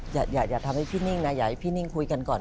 อย่าทำให้พี่นิ่งนะอยากให้พี่นิ่งคุยกันก่อน